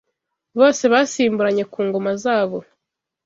bose basimburanye ku ngoma zabo